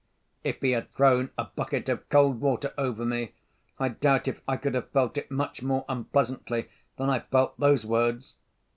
If he had thrown a bucket of cold water over me, I doubt if I could have felt it much more unpleasantly than I felt those words.